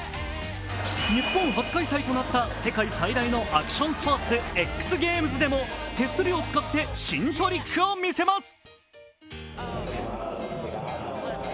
日本初開催となった世界最大のアクションスポーツ・ＸＧａｍｅｓでも手すりを使って新トリックを見せます。